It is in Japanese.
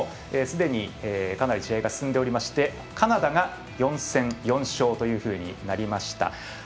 すでに、かなり試合が進んでおりましてカナダが４戦４勝というふうになりました。